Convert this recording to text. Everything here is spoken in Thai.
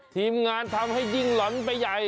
ทีมงานทำให้ยิ่งหล่อนไปใหญ่